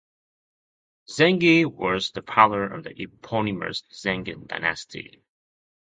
Zengi was the founder of the eponymous Zengid dynasty.